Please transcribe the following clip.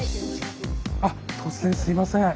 突然すいません。